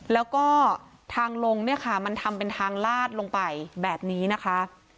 แล้วก็ทางลงเนี่ยค่ะมันทำเป็นทางลาดลงไปแบบนี้นะคะ